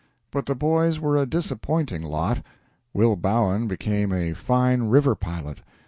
But the boys were a disappointing lot. Will Bowen became a fine river pilot.